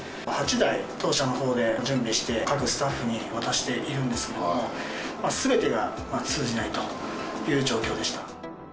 ８台、当社のほうで準備して、各スタッフに渡しているんですけれども、すべてが通じないという状況でした。